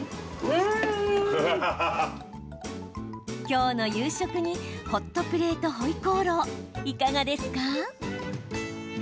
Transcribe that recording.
今日の夕食にホットプレートホイコーローいかがですか？